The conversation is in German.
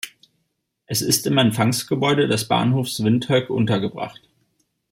Es ist im Empfangsgebäude des Bahnhofs Windhoek untergebracht.